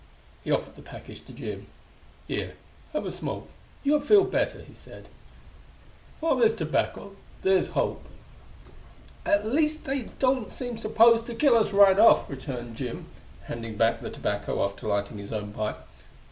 He offered the package to Jim. "Here, have a smoke; you'll feel better," he said. "While there's tobacco there's hope." "At least they don't seem disposed to kill us right off," returned Jim, handing back the tobacco after lighting his own pipe.